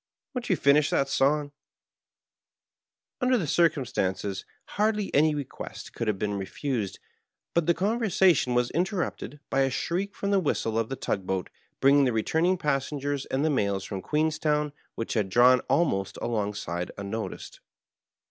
Won't you finish that song %" Digitized by VjOOQIC 8 ON BOAED TEE '' BAVARIA.'' Under the circomBtances hardly any request could have been refused ; but the conyersation was interrupted by a shriek from the whistle of the tug boat bringing the re turning passengers and the mails from Queenstown, which had drawn almost alongside unnoticed.